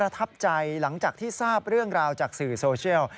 ทับใจหลังจากที่ทราบเรื่องราวจากสื่อโซเชียล